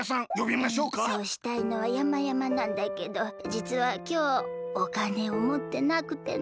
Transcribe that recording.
そうしたいのはやまやまなんだけどじつはきょうおかねをもってなくてねえ。